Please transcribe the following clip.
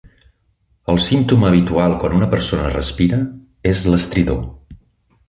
El símptoma habitual quan una persona respira és l"estridor.